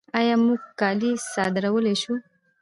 آیا موږ کالي صادرولی شو؟